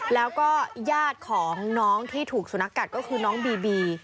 แล้วก็ญาติของน้องที่ถูกสุนัขกัดก็คือน้องบีบี